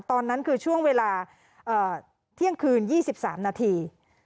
ตอนนั้นคือช่วงเวลาเที่ยงคืน๒๓นาที